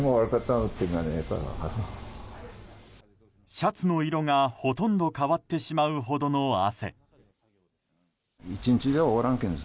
シャツの色が、ほとんど変わってしまうほどの汗。